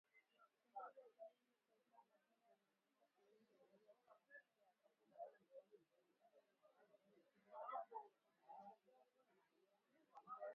Kiongozi wa kundi hilo ,Sultani Makenga, anaaminika kurudi Jamhuri ya Kidemokrasia ya Kongo na badhi ya vyombo vya habari vimeripoti kwamba anaongoza mashambulizi mapya